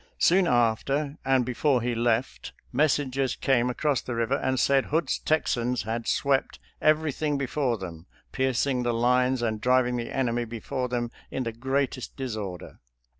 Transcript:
Soon after, and before he left, messengers came across the river and said Hood's Texans had swept everything before them, piercing the lines and driving the enemy before them in the great est disorder.